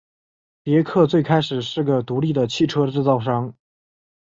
别克最开始是个独立的汽车制造商。